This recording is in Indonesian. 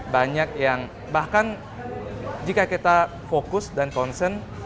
banyak yang bahkan jika kita fokus dan concern